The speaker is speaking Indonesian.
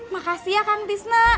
makasih ya kang tisna